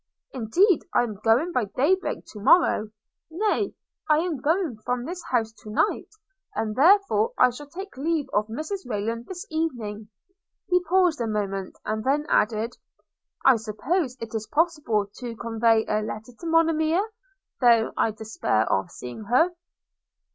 Indeed I am going by day break to morrow. Nay, I am going from this house to night; and therefore I shall take leave of Mrs Rayland this evening.' He paused a moment, and then added, 'I suppose it is possible to convey a letter to Monimia, though I despair of seeing her.'